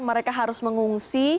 mereka harus mengungsi